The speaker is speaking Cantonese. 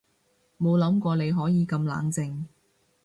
冇諗過你可以咁冷靜